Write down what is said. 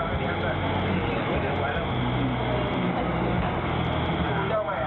ออนดีแหละนี่สิ่งที่ได้ผิด